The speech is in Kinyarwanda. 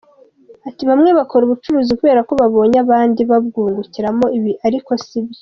Ati “Bamwe bakora ubucuruzi kubera ko babonye abandi babwungukiramo, ibi ariko sibyo.